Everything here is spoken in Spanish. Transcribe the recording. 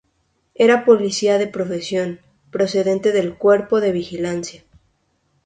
Era policía de profesión, procedente del Cuerpo de Vigilancia.